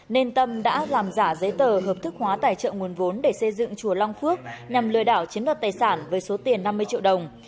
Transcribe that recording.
nên tâm đã làm giả giấy tờ hợp thức hóa tài trợ nguồn vốn để xây dựng chùa long phước nhằm lừa đảo chiếm đoạt tài sản với số tiền năm mươi triệu đồng